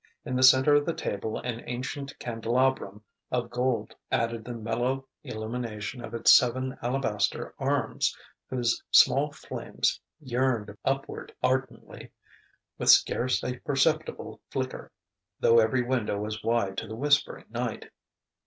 In the centre of the table an ancient candelabrum of gold added the mellow illumination of its seven alabaster arms, whose small flames yearned upward ardently, with scarce a perceptible flicker, though every window was wide to the whispering night.